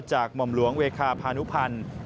หม่อมหลวงเวคาพานุพันธ์